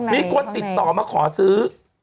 มีคนติดต่อมาขอซื้อ